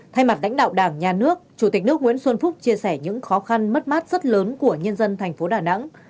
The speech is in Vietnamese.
thay mặt lãnh đạo đảng nhà nước chủ tịch nước nguyễn xuân phúc chia sẻ những khó khăn mất mát rất lớn của nhân dân thành phố đà nẵng